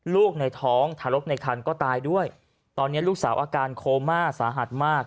ลูกในท้องทารกในคันก็ตายด้วยตอนนี้ลูกสาวอาการโคม่าสาหัสมาก